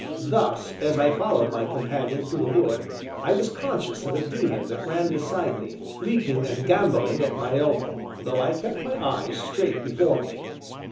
Thus, as I followed my companion through the wood, I was conscious of a Daemon that ran beside me, leaping and gambolling at my elbow, though I kept my eyes straight before me.